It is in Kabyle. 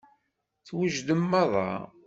Twejdem meṛṛa.